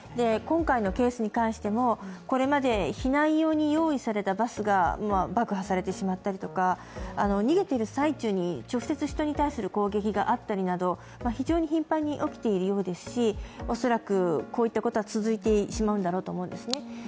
今回のケースに関しても、これまで避難用に用意されたバスが爆破されてしまったりとか逃げている最中に直接、人に対する攻撃があったりなど、非常に頻繁に起きているようですし恐らくこういったことは続いてしまうんだろうと思うんですね。